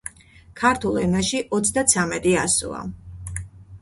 ქართულ ენაში ოცდაცამეტი ასოა